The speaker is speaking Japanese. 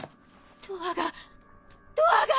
ドアがドアが！